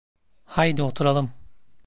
Haydi oturalım!